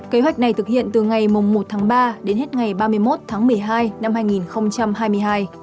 kế hoạch này thực hiện từ ngày một tháng ba đến hết ngày ba mươi một tháng một mươi hai năm hai nghìn hai mươi hai